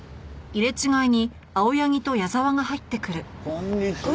こんにちは。